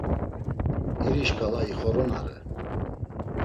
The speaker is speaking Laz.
İri şkala ixoronare.